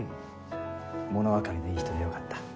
ものわかりのいい人でよかった。